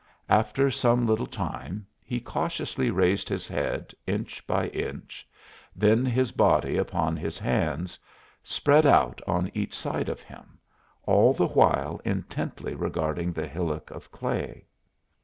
After some little time he cautiously raised his head, inch by inch, then his body upon his hands, spread out on each side of him, all the while intently regarding the hillock of clay.